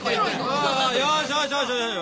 おおよしよしよしよし。